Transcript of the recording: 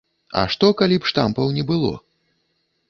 А што калі б штампаў не было?